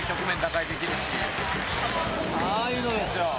ああいうのですよ